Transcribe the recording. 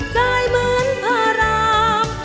ใจเหมือนพระราม